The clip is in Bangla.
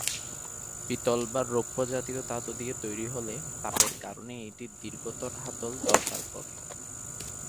পিতল বা রৌপ্য জাতীয় ধাতু দিয়ে তৈরি হলে, তাপের কারণে এটির দীর্ঘতর হাতল দরকার পড়ে।